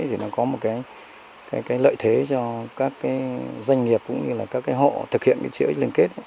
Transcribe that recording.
thì nó có một lợi thế cho các doanh nghiệp cũng như các hộ thực hiện chuỗi liên kết